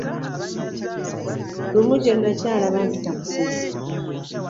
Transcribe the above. Lumu gye nakyala bampita musezi.